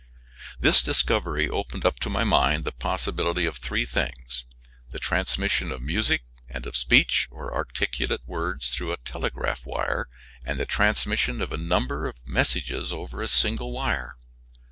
This discovery opened up to my mind the possibility of three things the transmission of music and of speech or articulate words through a telegraph wire, and the transmission of a number of messages over a single wire.